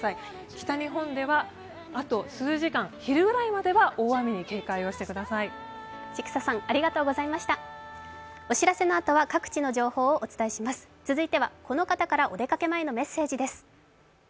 北日本ではあと数時間、昼ぐらいまでは大雨に警戒をしてください。